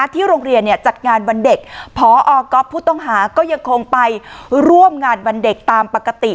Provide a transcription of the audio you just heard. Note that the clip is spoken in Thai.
ที่โรงเรียนจัดงานวันเด็กพอก๊อฟผู้ต้องหาก็ยังคงไปร่วมงานวันเด็กตามปกติ